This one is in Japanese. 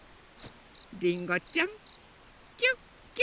りんごちゃんキュッキュッ。